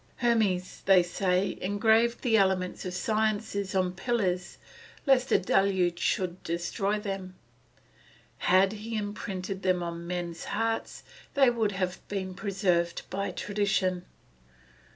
Hermes, they say, engraved the elements of science on pillars lest a deluge should destroy them. Had he imprinted them on men's hearts they would have been preserved by tradition.